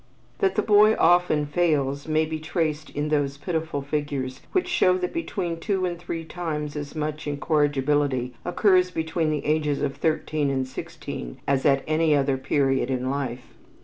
That the boy often fails may be traced in those pitiful figures which show that between two and three times as much incorrigibility occurs between the ages of thirteen and sixteen as at any other period of life.